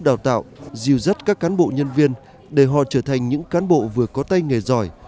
đào tạo diêu dắt các cán bộ nhân viên để họ trở thành những cán bộ vừa có tay nghề giỏi